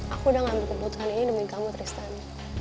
aku udah ngambil keputusan ini demi kamu tristan